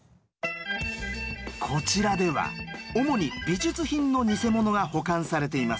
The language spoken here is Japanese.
こちらでは主に美術品の偽物が保管されています。